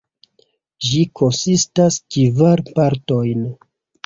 Ĝi konsistas kvar partojn.